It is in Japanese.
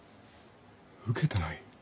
受けてない？